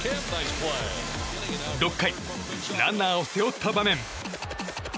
６回、ランナーを背負った場面。